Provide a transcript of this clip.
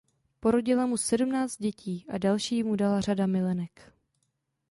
Porodila mu sedmnáct dětí a další mu dala řada milenek.